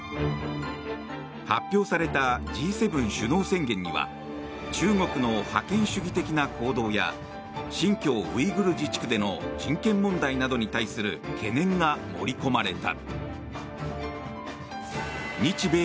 発表されたＧ７首脳宣言には中国の覇権主義的な行動や新疆ウイグル自治区での人権問題などに対する懸念が盛り込まれた。